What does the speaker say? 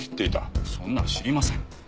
そんな知りません。